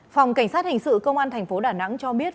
phòng cảnh sát hình sự công an tp đà nẵng cho biết